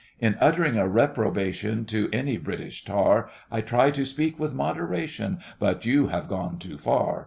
In uttering a reprobation To any British tar, I try to speak with moderation, But you have gone too far.